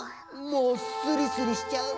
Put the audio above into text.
もうスリスリしちゃう！